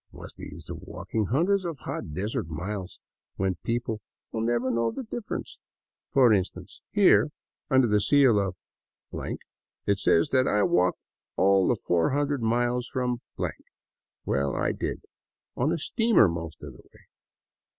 What 's the use of walk ing hundreds of hot desert miles, when the people will never know the difference ? For instance ; here, under the seal of , it says that I walked all the four hundred miles from . Well, I did — on a steamer most of the way."